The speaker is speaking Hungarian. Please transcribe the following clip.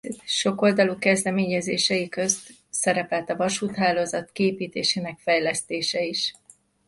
Sokoldalú kezdeményezései közt szerepelt a vasúthálózat kiépítésének fejlesztése is.